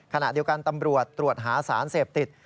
ขณะเดียวกันตำรวจตรวจหาสารเสพติด